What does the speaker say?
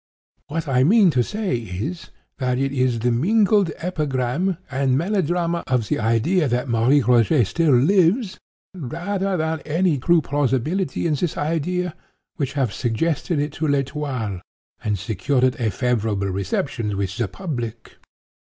"What I mean to say is, that it is the mingled epigram and melodrame of the idea, that Marie Rogêt still lives, rather than any true plausibility in this idea, which have suggested it to L'Etoile, and secured it a favorable reception with the public.